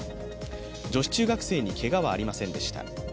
女子中学生にけがはありませんでした。